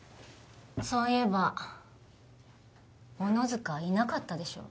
そういえば小野塚いなかったでしょ？